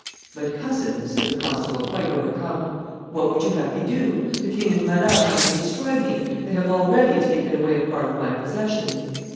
"But, cousin," said the constable, quite overcome, "what would you have me to do? The king and Madame mean to destroy me; they have already taken away a part of my possessions."